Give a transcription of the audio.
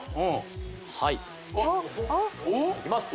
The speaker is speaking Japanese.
はいいきます！